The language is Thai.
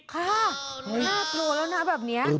ค่ะน่ากลัวแล้วนะแบบนี้